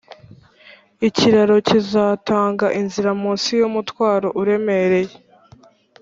ikiraro kizatanga inzira munsi yumutwaro uremereye.